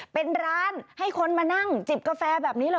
เป็นร้านให้คนมานั่งจิบกาแฟแบบนี้เหรอ